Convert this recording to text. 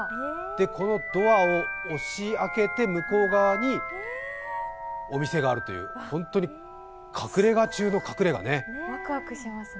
このドアを押し開けて向こう側にお店があるという、本当に隠れ家中の隠れ家ね。